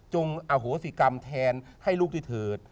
อโหสิกรรมแทนให้ลูกที่เถิด